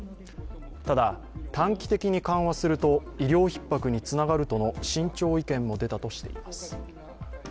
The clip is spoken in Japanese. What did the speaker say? ただ、短期的に緩和すると医療ひっ迫につながるとの慎重意見も出たとしています。